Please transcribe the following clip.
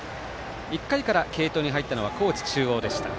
１回から、継投に入ったのは高知中央でした。